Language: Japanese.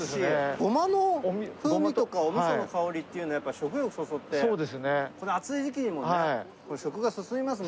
ごまの風味とかおみその香りというのは、やっぱ食欲をそそって、この暑い時期にもね、食が進みますね。